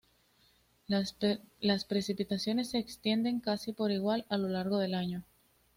Las precipitaciones se extienden casi por igual a lo largo del año.